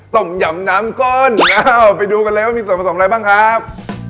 ต้มยำน้ำก้นอ้าวไปดูกันเลยว่ามีส่วนผสมอะไรบ้างครับ